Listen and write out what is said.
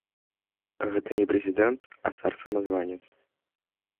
Гэта не прэзідэнт, а цар-самазванец!